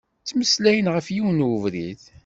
Ttmeslayen ɣef yiwen n ubrid.